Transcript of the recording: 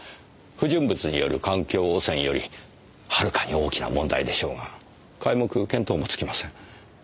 不純物による環境汚染よりはるかに大きな問題でしょうが皆目見当もつきません。